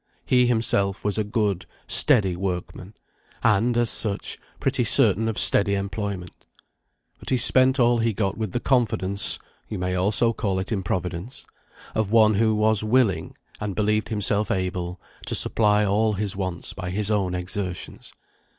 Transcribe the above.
He himself was a good, steady workman, and, as such, pretty certain of steady employment. But he spent all he got with the confidence (you may also call it improvidence) of one who was willing, and believed himself able, to supply all his wants by his own exertions.